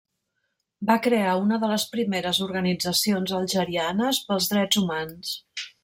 Va crear una de les primeres organitzacions algerianes pels drets humans.